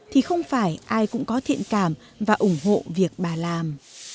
thì không phải ai cũng có thiện cảm và ủng hộ việc bà làm